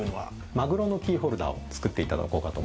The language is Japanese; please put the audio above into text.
マグロのキーホルダーを作っていただこうかと思ってます。